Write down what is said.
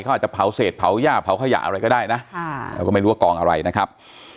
เขาอาจจะเผาเศษเผาหญ้าเผาขยะอะไรก็ได้นะเราก็ไม่รู้ว่ากองอะไรนะครับ